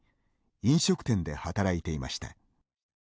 飲食店で働いていました。